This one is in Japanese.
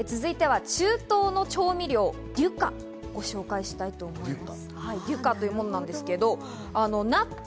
続いては、中東の調味料・デュカをご紹介したいと思います。